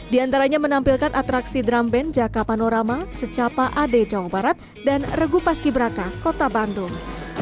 di antaranya menampilkan atraksi drum band jaka panorama secapa ade jawa barat dan regu paski beraka kota bandung